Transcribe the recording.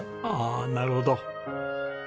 ああなるほど。